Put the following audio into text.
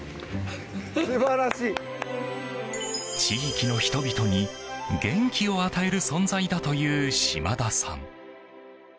地域の人々に元気を与える存在だという嶋田さん。